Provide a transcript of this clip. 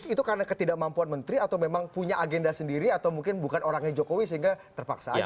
itu karena ketidakmampuan menteri atau memang punya agenda sendiri atau mungkin bukan orangnya jokowi sehingga terpaksa ada